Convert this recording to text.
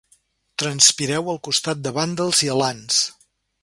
Transpireu al costat de vàndals i alans.